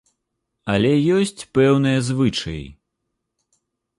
Але ёсць пэўныя звычаі.